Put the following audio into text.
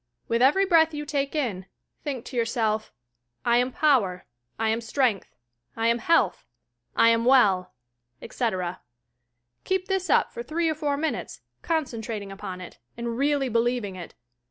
"With every breath you take in, think to yourself, "I am power; I am strength; I am health; I am well!" etc. Keep this up for three or four minutes, concentrating upon it, and really be lieving it.